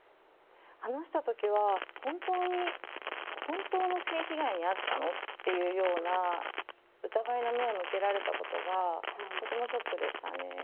話した時は「本当に本当の性被害に遭ったの？」っていうような疑いの目を向けられたことがとてもショックでしたね。